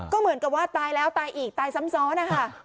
ก็เหมือนกับว่าตายแล้วตายอีกตายซ้ำซ้อนนะคะ